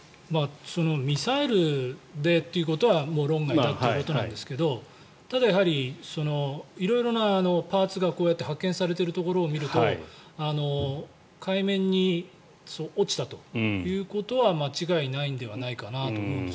ミサイルでということは論外だということなんですけどただ、色々なパーツがこうやって発見されているところを見ると海面に落ちたということは間違いないのではないかなと思うんです。